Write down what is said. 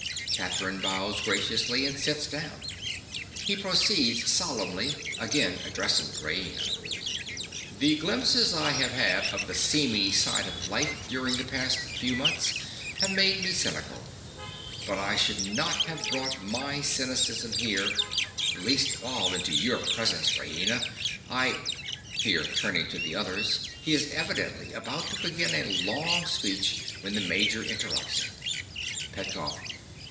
(Catherine bows graciously and sits down. He proceeds solemnly, again addressing Raina.) The glimpses I have had of the seamy side of life during the last few months have made me cynical; but I should not have brought my cynicism here—least of all into your presence, Raina. I—(Here, turning to the others, he is evidently about to begin a long speech when the Major interrupts him.) PETKOFF.